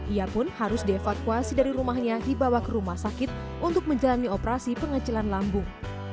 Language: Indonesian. ia pun harus dievakuasi dari rumahnya dibawa ke rumah sakit untuk menjalani operasi pengecilan lambung